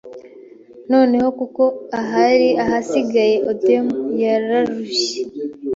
Noneho kuko ahari ahasigaye Odem yararushye